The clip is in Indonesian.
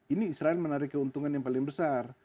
ini israel menarik keuntungan yang paling besar